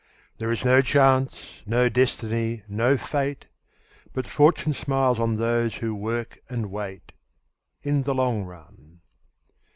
There is no Chance, no Destiny, no Fate, But Fortune smiles on those who work and wait, In the long run.